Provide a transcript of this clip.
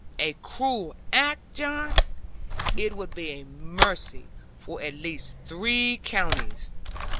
'A cruel act, John! It would be a mercy for at least three counties.